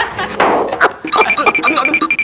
aduh aduh aduh